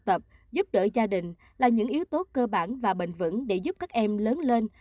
tập giúp đỡ gia đình là những yếu tố cơ bản và bền vững để giúp các em lớn lên